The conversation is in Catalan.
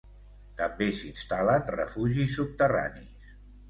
També s'instal·len refugis subterranis.